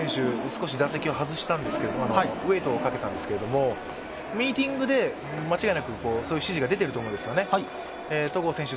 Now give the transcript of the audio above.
少し打席を外したんですけど、ウェイトをかけたんですけど、ミーティングで間違いなく、そういう指示を出してると思うんです。